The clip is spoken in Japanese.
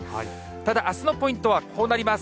ただあすのポイントはこうなります。